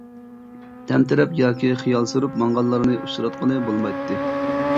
تەمتىرەپ ياكى خىيال سۈرۈپ ماڭغانلارنى ئۇچراتقىلى بولمايتتى.